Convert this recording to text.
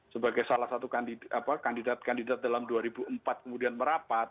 sebagai salah satu kandidat kandidat dalam dua ribu empat kemudian merapat